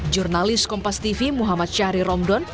jurnalis kompas tv muhammad syahrir romdon